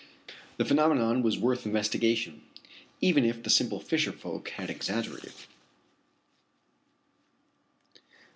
The phenomenon was worth investigation, even if the simple fisher folk had exaggerated.